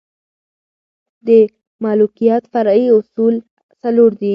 د ملوکیت فرعي اصول څلور دي.